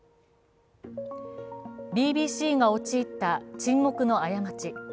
ＢＢＣが陥った沈黙の過ち。